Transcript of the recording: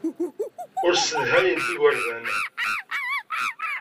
Ur ssedhayent igerdan.